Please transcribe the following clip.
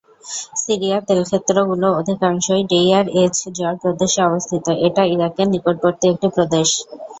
সিরিয়ার তেলক্ষেত্রগুলো অধিকাংশই ডেইয়ার-এজ-জর প্রদেশে অবস্থিত, এটা ইরাকের নিকটবর্তী একটি প্রদেশ।